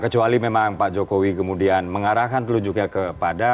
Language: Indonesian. kecuali memang pak jokowi kemudian mengarahkan telunjuknya kepada